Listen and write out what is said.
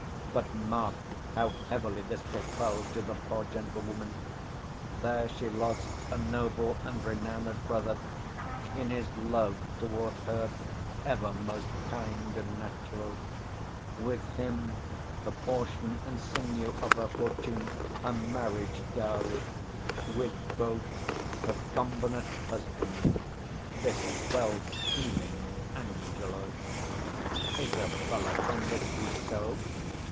But mark how heavily this befell to the poor gentlewoman: there she lost a noble and renowned brother, in his love toward her ever most 210 kind and natural; with him, the portion and sinew of her fortune, her marriage dowry; with both, her combinate husband, this well seeming Angelo. Isab. Can this be so?